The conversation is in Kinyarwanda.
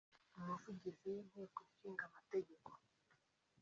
umuvugizi w’Inteko Ishinga Amategeko